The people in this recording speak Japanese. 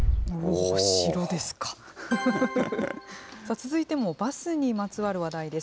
続いてもバスにまつわる話題です。